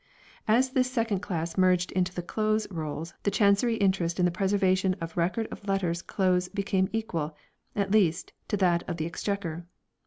As this second class merged into the Close Rolls the Chancery interest in the preservation of record of letters close became equal, at least, to that of the Exchequer.